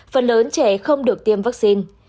phần lớn trẻ không được tiêm vaccine